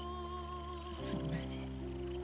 すみません。